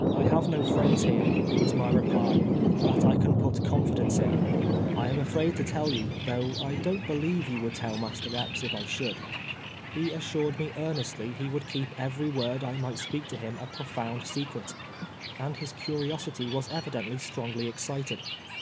" I have no friends here," was my reply, " that I can put confidence in. I am afraid to tell you, though I don't believe you would tell Master Epps if I should." , bass' assurances, 271 He assured me earnestly he would keep every word I might speak to him a profound secret, and his curi osity was evidently strongly excited.